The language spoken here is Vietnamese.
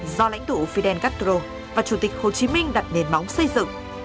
do lãnh tụ fidel castro và chủ tịch hồ chí minh đặt nền móng xây dựng